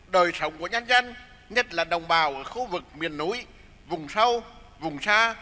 đời sống của nhân dân nhất là đồng bào ở khu vực miền núi vùng sâu vùng xa